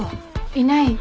いない。